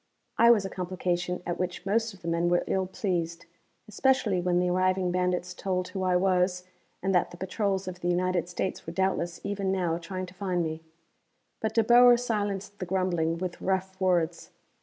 I was a complication at which most of the men were ill pleased, especially when the arriving bandits told who I was, and that the patrols of the United States were doubtless even now trying to find me. But De Boer silenced the grumbling with rough words.